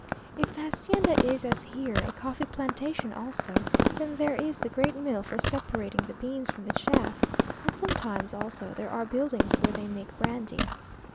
If the hacienda is, as here, a coffee plantation also, then there is the great mill for separating the beans from the chaff, and sometimes also there are buildings where they make brandy.